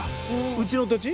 うちの土地？